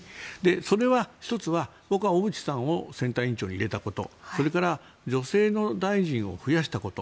それは１つは僕は、小渕さんを選対委員長に入れたことそれから女性の大臣を増やしたこと。